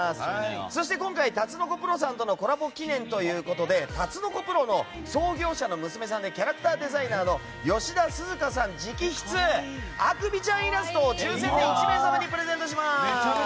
そして今回タツノコプロさんとのコラボ記念ということでタツノコプロの創業者の娘さんでキャラクターデザイナーの吉田すずかさん直筆アクビちゃんイラストを抽選で１名様にプレゼントします。